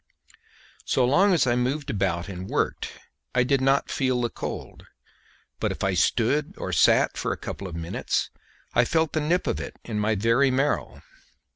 So long as I moved about and worked I did not feel the cold; but if I stood or sat for a couple of minutes I felt the nip of it in my very marrow.